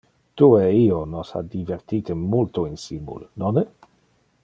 Tu e io nos ha divertite multo insimul, nonne?